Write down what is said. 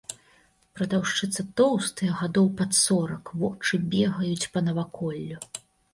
Прадаўшчыца тоўстая, гадоў пад сорак, вочы бегаюць па наваколлю.